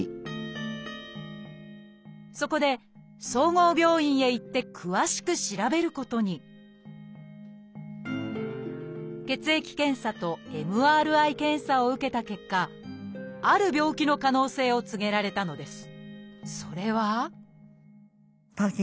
そこで総合病院へ行って詳しく調べることにを受けた結果ある病気の可能性を告げられたのです。